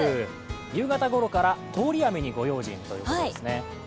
夕方ごろから通り雨にご用心ということですね。